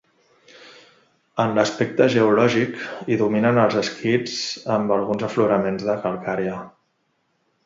En l'aspecte geològic hi dominen els esquists amb alguns afloraments de calcària.